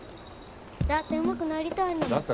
だってうまくなりたいんだもん。